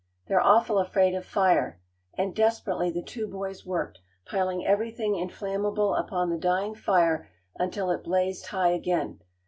They're awful afraid of fire," and desperately the two boys worked, piling everything inflammable upon the dying fire until it blazed high again.